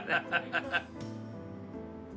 ハハハハ！